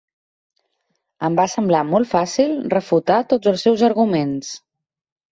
Em va semblar molt fàcil refutar tots els seus arguments.